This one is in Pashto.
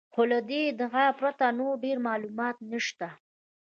خو له دې ادعا پرته نور ډېر معلومات نشته.